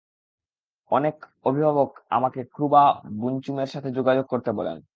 অনেক অভিভাবক আমাকে ক্রুবা বুনচুমের সাথে যোগাযোগ করতে বলেন।